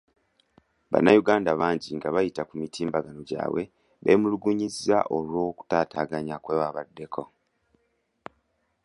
Bannayuganda bangi nga bayita ku mitimbagano gyabwe beemulugunyizza olw'okutaatagana kwe baddeko.